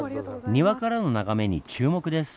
庭からの眺めに注目です。